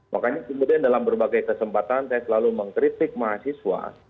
makanya kemudian dalam berbagai kesempatan saya selalu mengkritik mahasiswa